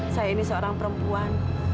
saya ini seorang perempuan